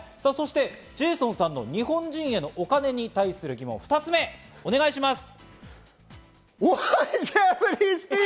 そしてジェイソンさんの日本人へのお金に対する疑問、２つ目お願いします。